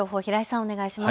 お願いします。